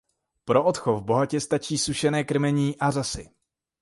Pro odchov bohatě stačí sušené krmení a řasy.